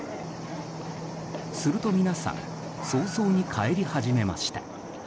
すると皆さん早々に帰り始めました。